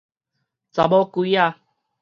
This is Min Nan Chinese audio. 查某鬼仔